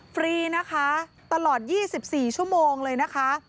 ฟรีนะคะตลอด๒๔ชั่วโมงเลยนะคะ